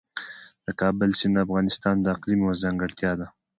د کابل سیند د افغانستان د اقلیم یوه ځانګړتیا ده.